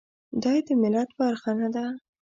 دای د ملت برخه نه ده.